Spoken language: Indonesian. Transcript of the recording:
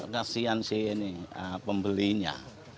kasian sih ini pembelinya